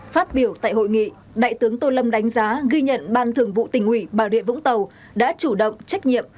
phát biểu tại hội nghị đại tướng tô lâm đánh giá ghi nhận ban thường vụ tỉnh ủy bà rịa vũng tàu đã chủ động trách nhiệm